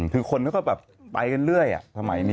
คือคนก็แบบไปกันเรื่อยอะ